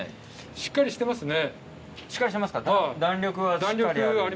しっかりしてますか。